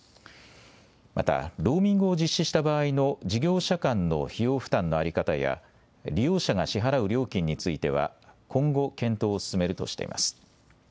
またローミングを実施した場合の事業者間の費用負担の在り方や利用者が支払う料金については今後、検討を進めるとしています。